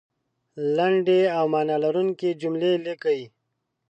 لنډې او معنا لرونکې جملې لیکئ